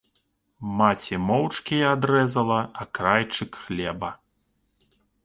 Маці моўчкі адрэзала акрайчык хлеба.